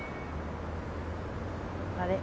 あれ？